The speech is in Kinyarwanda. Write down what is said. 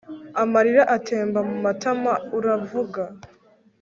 Amarira atemba mumatama uravuga